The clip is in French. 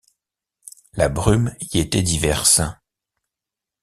La brume y était diverse.